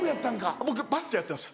僕バスケやってました。